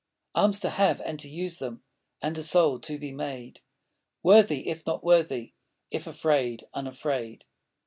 Arms to have and to use them And a soul to be made Worthy if not worthy; If afraid, unafraid.